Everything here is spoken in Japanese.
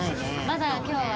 まだ今日は。